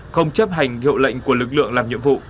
không chấp hành hiệu lệnh của lực lượng làm nhiệm vụ